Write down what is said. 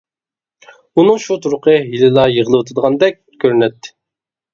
ئۇنىڭ شۇ تۇرىقى ھېلىلا يىغلىۋېتىدىغاندەك كۆرۈنەتتى.